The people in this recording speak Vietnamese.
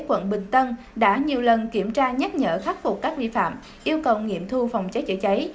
quận bình tân đã nhiều lần kiểm tra nhắc nhở khắc phục các vi phạm yêu cầu nghiệm thu phòng cháy chữa cháy